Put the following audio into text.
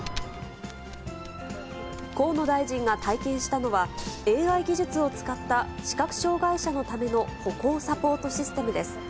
河野大臣が体験したのは、ＡＩ技術を使った視覚障がい者のための歩行サポートシステムです。